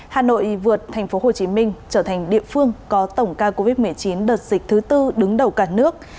hà nội vượt tp hcm trở thành địa phương có tổng ca covid một mươi chín đợt dịch thứ tư đứng đầu cả nước